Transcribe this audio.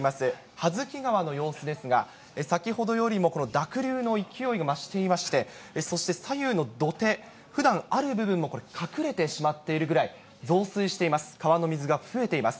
羽月川の様子ですが、先ほどよりも濁流の勢いが増していまして、そして、左右の土手、ふだんある部分もこれ、隠れてしまっているぐらい増水しています。